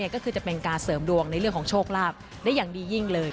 ก็คือจะเป็นการเสริมดวงในเรื่องของโชคลาภได้อย่างดียิ่งเลย